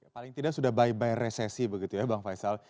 paling tidak sudah by by resesi begitu ya bang faisal